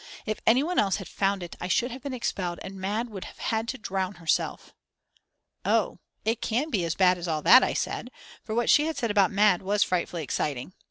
If any one else had found it, I should have been expelled and Mad. would have had to drown herself." "Oh, it can't be as bad as all that," I said, for what she said about Mad. was frightfully exciting.